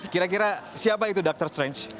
kira kira siapa itu doctor strange